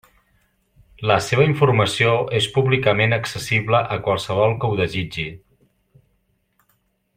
La seva informació és públicament accessible a qualsevol que ho desitgi.